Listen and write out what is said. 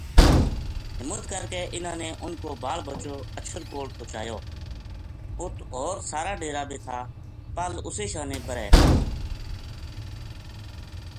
ہمت کر کے اِنھاں نے اُنھ کو بال بچو اَچھر کول پوہچا لیو اُت ہور سارا ڈیرا بے تھا پل اُسے شانے بر